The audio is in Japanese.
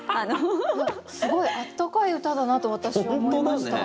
すごい温かい歌だなと私は思いました。